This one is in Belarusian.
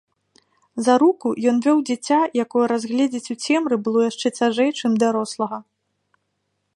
За руку ён вёў дзіця, якое разгледзець у цемры было яшчэ цяжэй, чым дарослага.